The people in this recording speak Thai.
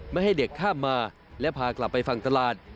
ไม่ให้เด็กข้ามมาและพากลับไปฝั่งตลาด